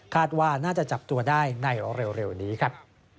ว่าน่าจะจับตัวได้ในเร็วนี้ครับ